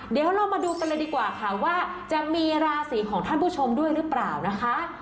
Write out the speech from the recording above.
เดี๋ยวเรามาดูกันเลยดีกว่าค่ะว่าจะมีราศีของท่านผู้ชมด้วยหรือเปล่านะคะ